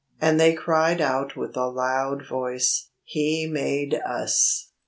And they cried out with a loud voice, 'He made us.'"